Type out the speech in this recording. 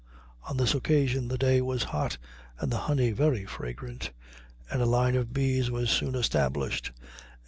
On this occasion the day was hot and the honey very fragrant, and a line of bees was soon established S.